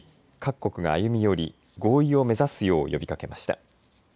各国が歩み寄り合意を目指すよう呼びかけました。